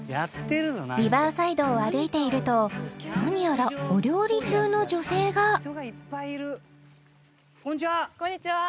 ［リバーサイドを歩いていると何やらお料理中の女性が］こんにちは。